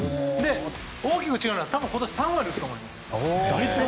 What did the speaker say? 大きく違うのは今年、３割行くと思います。